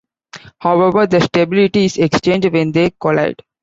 However, their stability is exchanged when they collide.